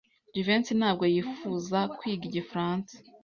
Jivency ntabwo yifuza kwiga igifaransa.